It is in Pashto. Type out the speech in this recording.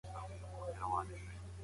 لوستې مور د ککړو خوړو مخه نیسي.